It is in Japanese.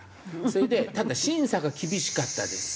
それでただ審査が厳しかったです。